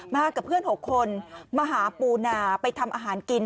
กับเพื่อน๖คนมาหาปูนาไปทำอาหารกิน